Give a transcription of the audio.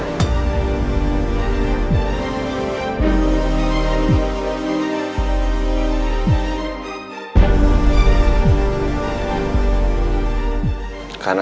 untuk menguaskan ego anda